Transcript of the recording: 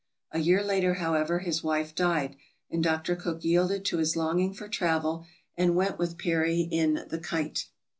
A year later, however, his wife died, and Dr. Cook yielded to his longing for travel and went with Peary in the "Kite."